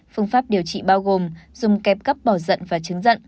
phương pháp điều trị bao gồm dùng kẹp cắp bỏ giận và trứng giận